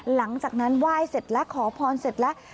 หลังจากนั้นไหว้เสร็จแล้วขอพรเสร็จแล้ว